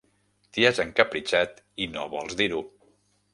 T'hi has encapritxat i no vols dir-ho.